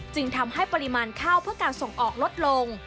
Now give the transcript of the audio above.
จึงทำให้ปริมาณข้าวเพื่อการส่งออกลดลง